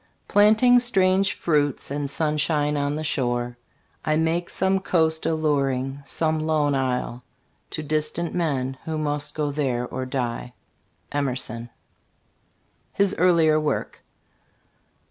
Planting strange fruits and sunshine on the shore, I make some coast alluring, some lone isle, To distant men, who must go there or die. Emerson. HIS EARLIER WORK.